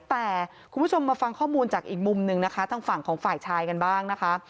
แต่คุณผู้ชมมาฟังข้อมูลจากอีกมุมหนึ่งนะคะทางฝั่งของฝ่ายชายกันบ้างนะคะ